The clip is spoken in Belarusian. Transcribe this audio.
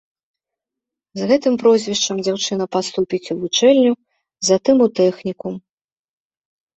З гэтым прозвішчам дзяўчына паступіць у вучэльню, затым у тэхнікум.